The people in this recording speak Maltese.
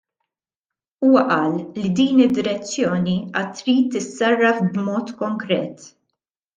Huwa qal li din id-direzzjoni għad trid tissarraf b'mod konkret.